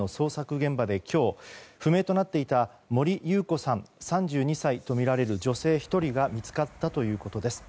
現場で今日不明となっていた森優子さん、３２歳とみられる女性１人が見つかったということです。